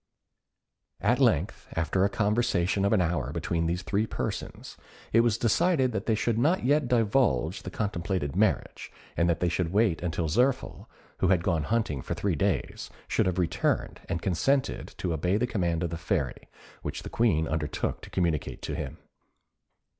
At length, after a conversation of an hour between these three persons, it was decided that they should not yet divulge the contemplated marriage, and that they should wait until Zirphil, who was gone hunting for three days, should have returned, and consented to obey the command of the Fairy, which the Queen undertook to communicate to him.